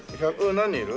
何人いる？